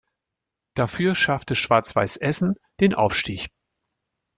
Dafür schaffte Schwarz-Weiß Essen den Aufstieg.